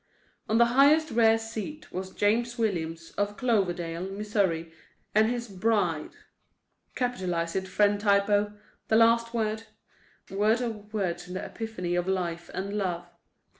On the highest, rear seat was James Williams, of Cloverdale, Missouri, and his Bride. Capitalise it, friend typo—that last word—word of words in the epiphany of life and love.